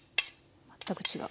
全く違う。